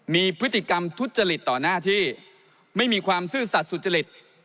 มีพฤติกรรมทุจริตต่อหน้าที่ไม่มีความซื่อสัตว์สุจริต